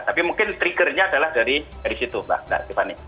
tapi mungkin triggernya adalah dari situ mbak tiffany